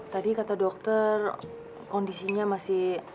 tadi kata dokter kondisinya masih